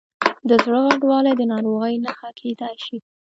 د زړه غټوالی د ناروغۍ نښه کېدای شي.